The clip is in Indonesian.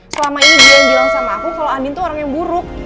selama ini dia yang bilang sama aku kalau andin tuh orang yang buruk